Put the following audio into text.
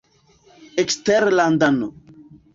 eksterlandano